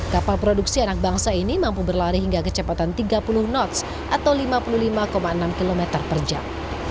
kapal produksi anak bangsa ini mampu berlari hingga kecepatan tiga puluh knots atau lima puluh lima enam km per jam